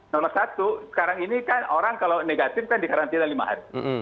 nomor satu sekarang ini kan orang kalau negatif kan dikarantina lima hari